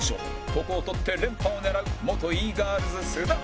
ここを取って連覇を狙う元 Ｅ ー ｇｉｒｌｓ 須田アンナ